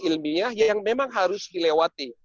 ilmiah yang memang harus dilewati